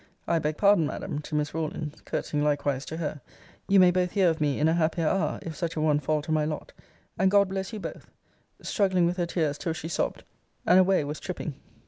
I beg pardon, Madam, to Miss Rawlins, [courtesying likewise to her,] you may both hear of me in a happier hour, if such a one fall to my lot and God bless you both! struggling with her tears till she sobbed and away was tripping.